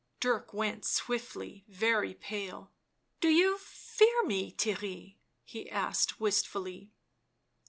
Dirk went swiftly very pale. " Do you — fear me, Theirry?" he asked wistfully.